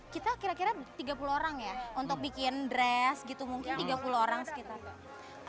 kita kira kira tiga puluh orang ya untuk bikin dress gitu mungkin tiga puluh orang sekitar